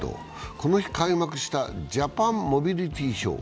この日開幕したジャパンモビリティショー。